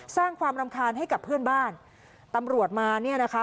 สร้างความรำคาญให้กับเพื่อนบ้านตำรวจมาเนี่ยนะคะ